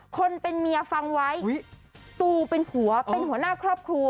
คนเป็นเมียฟังไว้ตูเป็นผัวเป็นหัวหน้าครอบครัว